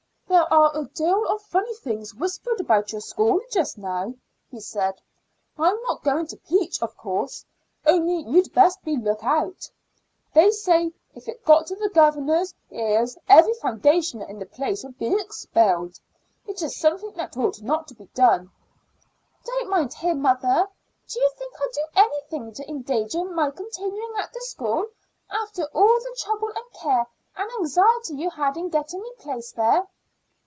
"There are a deal of funny things whispered about your school just now," he said. "I'm not going to peach, of course; only you'd best look out. They say if it got to the governors' ears every foundationer in the place would be expelled. It is something that ought not to be done." "Don't mind him, mother. Do you think I'd do anything to endanger my continuing at the school, after all the trouble and care and anxiety you had in getting me placed there?"